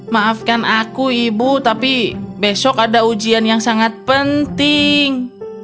maafkan aku ibu tapi besok ada ujian yang sangat penting